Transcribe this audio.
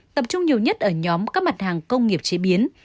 tập trung nhiều nhất ở nhóm các mặt hàng công nghiệp chế biến